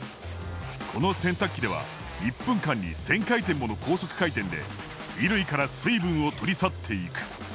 この洗濯機では１分間に１，０００回転もの高速回転で衣類から水分を取り去っていく。